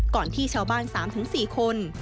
ก่อนที่ชาวบ้าน๓ถึง๔คน